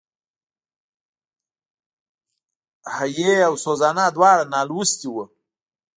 هېي او سوزانا دواړه نالوستي وو.